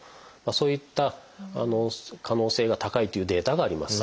そういった可能性が高いというデータがあります。